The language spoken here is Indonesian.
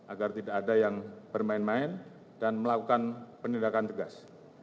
agar tidak ada yang bermain main dan melakukan penindakan tegas